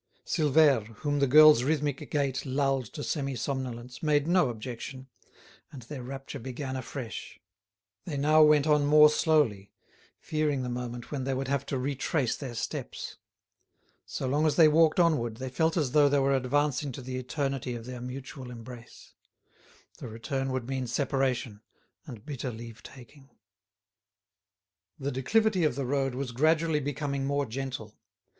Silvère, whom the girl's rhythmic gait lulled to semi somnolence, made no objection, and their rapture began afresh. They now went on more slowly, fearing the moment when they would have to retrace their steps. So long as they walked onward, they felt as though they were advancing to the eternity of their mutual embrace; the return would mean separation and bitter leave taking. The declivity of the road was gradually becoming more gentle.